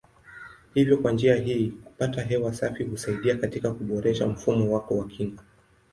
Hivyo kwa njia hii kupata hewa safi husaidia katika kuboresha mfumo wako wa kinga.